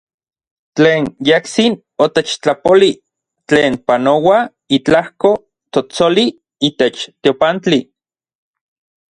Tlen yejtsin otechtlapolij, tlen panoua itlajko tsotsoli itech teopantli.